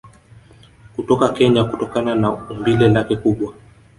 kutoka Kenya kutokana na umbile lake kubwa